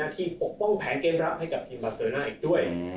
ปกป้องแผนเกมรับให้กับทีมบาเซอร์น่าอีกด้วย